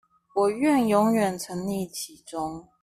我願永遠沈溺其中